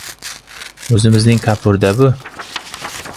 O‘zimizning Kapur-da bu!